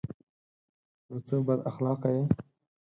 _نو ته بد اخلاقه يې؟